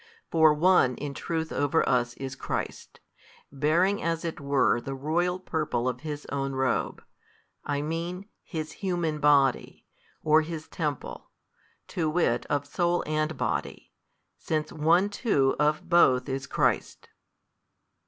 For One in truth over us is Christ, bearing as it were the royal purple His Own Robe, I mean His Human Body, or His Temple, to wit of Soul and Body; since One too of Both is Christ.